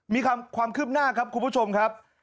มีความคืบหน้าครับคุณผู้ชมครับ